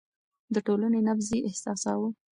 د ټولنې نبض يې احساساوه.